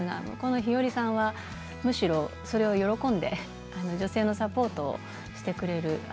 日和さんはむしろそれを喜んで女性のサポートをしてくれる。